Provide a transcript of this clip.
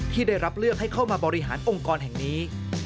ที่ได้รับเลือกให้เข้ามาบริหารองค์กรแห่งนี้